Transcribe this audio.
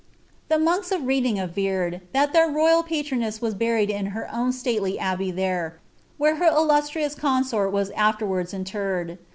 The monks of Reading averred that their royal patroness d in her own stately abbey there, where her illustrious consort irards interred.